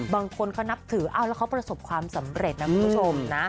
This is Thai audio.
บางคนเขานับถือแล้วเขาประสบความสำเร็จนะคุณผู้ชมนะ